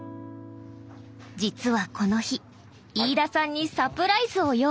じつはこの日飯田さんにサプライズを用意していました。